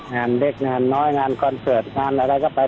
งานเล็กงานน้อยงานคอนเสิร์ตงานอะไรก็ไป